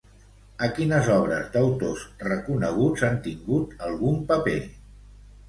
A quines obres d'autors reconeguts ha tingut algun paper?